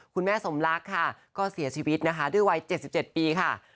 คุณแม่สมรักเสียชีวิตด้วยวัย๗๗ปี